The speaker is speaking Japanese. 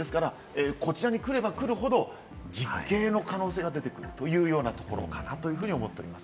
こちらに来れば来るほど、実刑の可能性が出てくるというようなところかなと思っております。